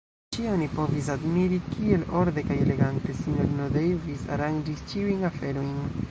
Ĉie oni povis admiri kiel orde kaj elegante Sinjorino Davis aranĝis ĉiujn aferojn.